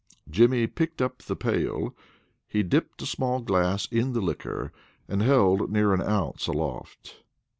Jimmy picked up the pail. He dipped a small glass in the liquor, and held near an ounce aloft.